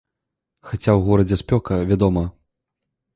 Хаця ў горадзе спёка, вядома.